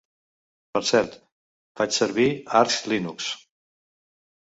Per cert, faig servir Arch Linux.